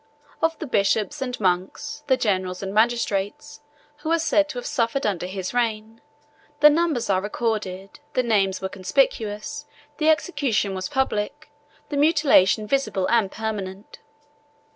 Of the bishops and monks, the generals and magistrates, who are said to have suffered under his reign, the numbers are recorded, the names were conspicuous, the execution was public, the mutilation visible and permanent.